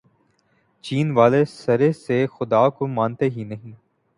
چین والے سرے سے خدا کو مانتے ہی نہیں۔